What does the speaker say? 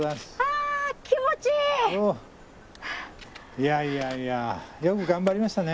いやいやいやよく頑張りましたね。